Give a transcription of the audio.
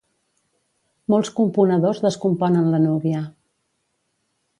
Molts componedors descomponen la núvia.